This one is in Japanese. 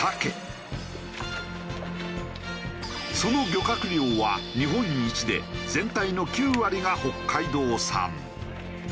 その漁獲量は日本一で全体の９割が北海道産。